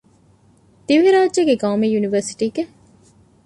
ދިވެހިރާއްޖޭގެ ޤައުމީ ޔުނިވަރސިޓީގެ